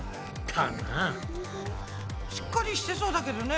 しっかりしてそうだけどね。